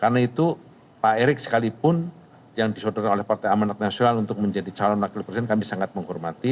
karena itu pak erik sekalipun yang disodera oleh partai amanat nasional untuk menjadi calon akil persen kami sangat menghormati